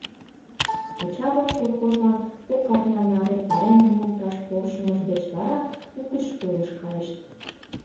Йоча-влак колхозлан кок арня наре пареҥгым лукташ полшымышт деч вара угыч школыш кайышт.